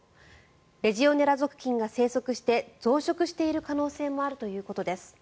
レジオネラ属菌が生息して増殖している可能性もあるということです。